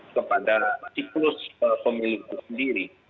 kepada siklus pemiliku sendiri